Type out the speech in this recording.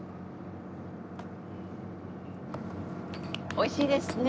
美味しいですね。